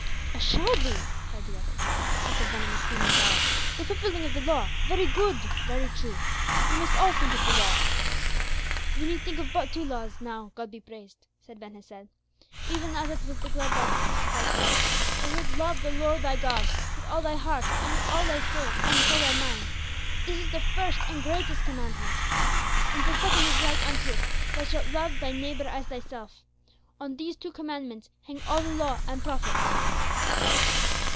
"Assuredly!" cried the other, with a venomous gleam in his eye, "the fulfilling of the law; very good very true. We must all think of the law." "We need think of but two laws now, God be praised," said Ben Hesed. "Even as it was declared by the Crucified One, 'Thou shalt love the Lord thy God with all thy heart, and with all thy soul, and with all thy mind. This is the first and great commandment. And the second is like unto it, Thou shalt love thy neighbor as thyself. On these two commandments hang all the law and the prophets.